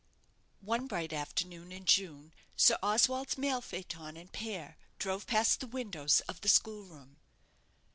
One bright afternoon in June, Sir Oswald's mail phaeton and pair drove past the windows of the school room.